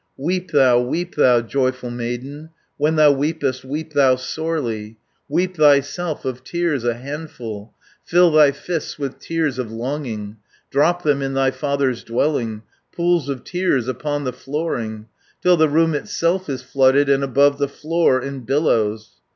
"Weep thou, weep thou, youthful maiden, When thou weepest, weep thou sorely. Weep thyself of tears a handful, Fill thy fists with tears of longing, Drop them in thy father's dwelling, Pools of tears upon the flooring, 350 Till the room itself is flooded, And above the floor in billows!